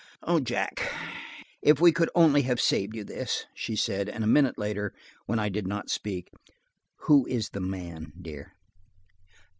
"Oh, Jack, if we could only have saved you this!" she said, and a minute later, when I did not speak: "Who is the man, dear?"